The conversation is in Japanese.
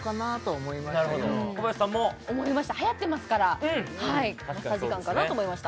思いましたはやってますからマッサージガンかなと思いました